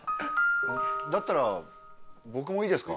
だったら僕もいいですか？